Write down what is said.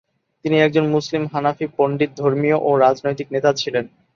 তিনি একজন মুসলিম হানাফি পণ্ডিত, ধর্মীয় ও রাজনৈতিক নেতা ছিলেন।